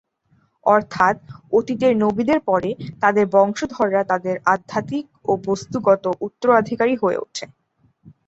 অর্থাৎ, অতীতের নবীদের পরে, তাদের বংশধররা তাদের আধ্যাত্মিক ও বস্তুগত উত্তরাধিকারী হয়ে ওঠে।